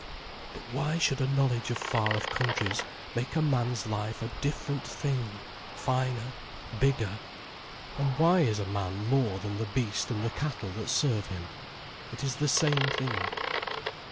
But why should a knowledge of far off countries make a man's life a different thing, finer, bigger? And why is a man more than the beast and the cattle that serve him? It is the same thing.